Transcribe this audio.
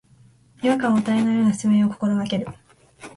違和感を与えないような説明を心がける